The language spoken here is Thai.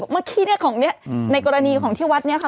เมื่อกี้ของนี้ในกรณีของที่วัดนี้ค่ะ